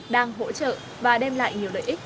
đang hỗ trợ và đem lại nhiều lợi ích